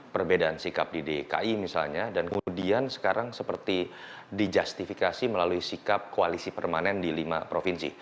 perbedaan sikap di dki misalnya dan kemudian sekarang seperti dijustifikasi melalui sikap koalisi permanen di lima provinsi